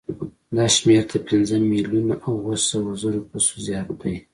دا شمېر تر پنځه میلیونه او اوه سوه زرو کسو زیات دی.